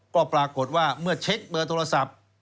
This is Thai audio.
ก็ปรากฏว่าเมื่อเช็คเบอร์โทรศัพท์